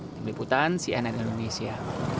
meliputan cnn indonesia